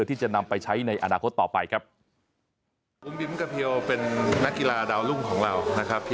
ที่จะนำไปใช้ในอนาคตต่อไปครับ